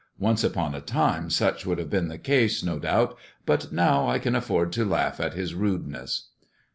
Once upon a time such would have been the case, no doubt, but now I can afford to laugh at his rudeness."